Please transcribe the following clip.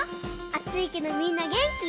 あついけどみんなげんき？